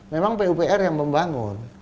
memang pupr yang membangun